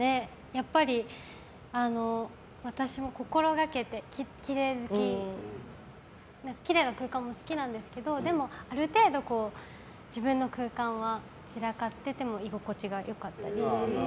やっぱり私も心がけてきれい好ききれいな空間も好きなんですけどでも、ある程度自分の空間は散らかってても居心地が良かったり。